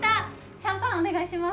シャンパンお願いします。